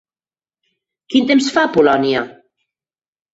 Quin temps fa a Polònia?